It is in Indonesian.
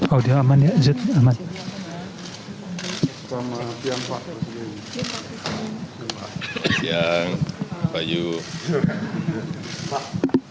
audio aman ya zed aman